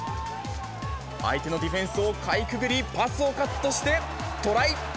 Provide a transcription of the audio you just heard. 相手のディフェンスをかいくぐりパスをカットしてトライ。